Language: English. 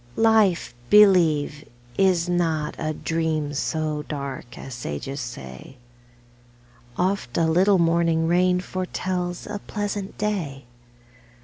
LIFE. Life, believe, is not a dream So dark as sages say; Oft a little morning rain Foretells a pleasant day.